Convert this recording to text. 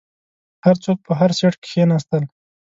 هر څوک په هر سیټ کښیناستل.